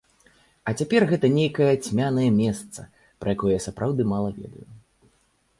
А цяпер гэта нейкае цьмянае месца, пра якое я сапраўды мала ведаю.